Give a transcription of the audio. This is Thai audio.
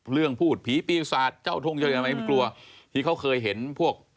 เรื่องพูดผีปีศาสตร์เจ้าทุ่งเจ้าเดียวไหมกลัวที่เขาเคยเห็นพวก